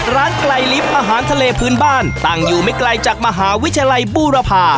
ไกลลิฟต์อาหารทะเลพื้นบ้านตั้งอยู่ไม่ไกลจากมหาวิทยาลัยบูรพา